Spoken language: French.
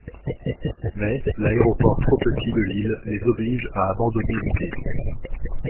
Mais l’aéroport trop petit de l’île les oblige à abandonner l’idée.